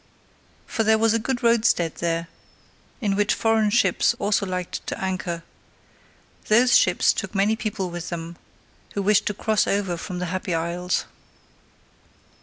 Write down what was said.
For there was a good roadstead there, in which foreign ships also liked to anchor: those ships took many people with them, who wished to cross over from the Happy Isles.